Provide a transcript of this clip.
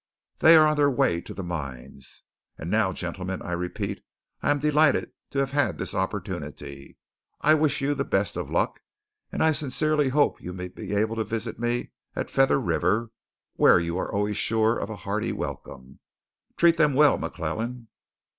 They are on their way to the mines. And now, gentlemen, I repeat, I am delighted to have had this opportunity; I wish you the best of luck; and I sincerely hope you may be able to visit me at Feather River, where you are always sure of a hearty welcome. Treat them well, McClellan."